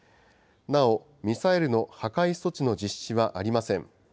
なお、ミサイルの破壊措置の実施はありません。